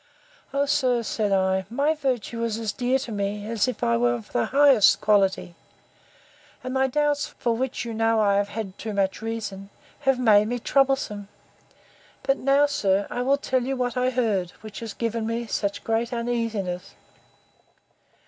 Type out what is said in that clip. O sir, said I, my virtue is as dear to me, as if I was of the highest quality; and my doubts (for which you know I have had too much reason) have made me troublesome. But now, sir, I will tell you what I heard, which has given me great uneasiness.